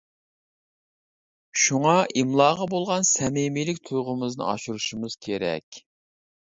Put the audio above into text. شۇڭا ئىملاغا بولغان سەمىمىيلىك تۇيغۇمىزنى ئاشۇرۇشىمىز كېرەك!